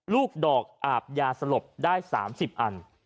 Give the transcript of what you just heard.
ลูกดอกอาบยาสลบได้๓๐อัน